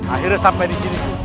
akhirnya sampai di sini